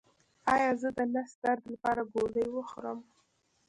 ایا زه د نس درد لپاره ګولۍ وخورم؟